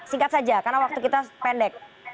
singkat saja karena waktu kita pendek